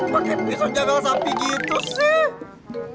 pakai pisau jagal sapi gitu sih